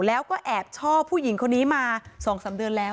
แล้วก็แอบชอบผู้หญิงคนนี้มา๒๓เดือนแล้ว